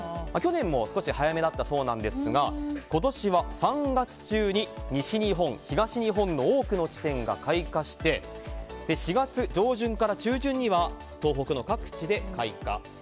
去年も少し早めだったそうなんですが今年は３月中に西日本、東日本の多くの地点が開花して、４月上旬から中旬には東北の各地で開花。